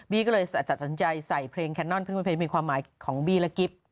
บี้ก็เลยจัดสนใจใส่เพลงแคนนอนเพื่อนเป็นความหมายของบี้และกิ๊บ